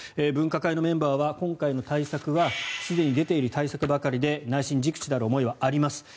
分科会のメンバーは今回の対策はすでに出ている対策ばかりで内心、忸怩たる思いはあります。